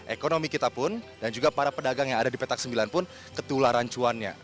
ekonomi kita pun dan juga para pedagang yang ada di petak sembilan pun ketularan cuannya